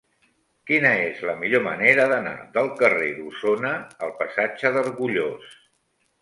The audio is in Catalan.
Quina és la millor manera d'anar del carrer d'Osona al passatge d'Argullós?